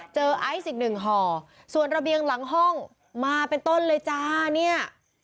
ไอซ์อีกหนึ่งห่อส่วนระเบียงหลังห้องมาเป็นต้นเลยจ้าเนี่ย